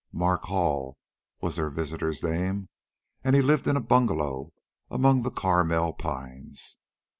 Mark Hall was their visitor's name, and he lived in a bungalow among the Carmel pines.